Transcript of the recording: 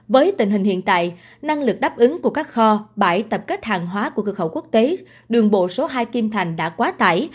với tình hình hiện tại năng lực đáp ứng của các kho bãi tập kết hàng hóa của cơ khẩu quốc tế đường bộ số hai kim thành đã quá tải